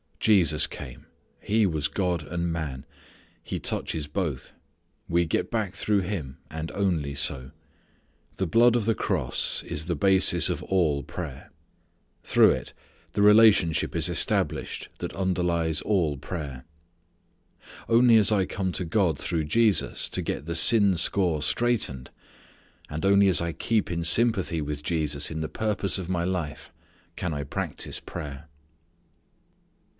Jesus came. He was God and Man. He touches both. We get back through Him, and only so. The blood of the cross is the basis of all prayer. Through it the relationship is established that underlies all prayer. Only as I come to God through Jesus to get the sin score straightened, and only as I keep in sympathy with Jesus in the purpose of my life can I practice prayer.